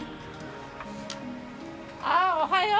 あおはよう。